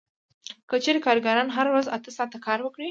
که چېرې کارګران هره ورځ اته ساعته کار وکړي